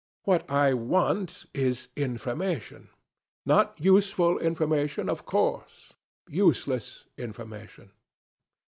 What I want is information: not useful information, of course; useless information."